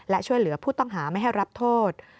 และช่วยเหลือผู้ต้องหาไม่ให้รับโทษ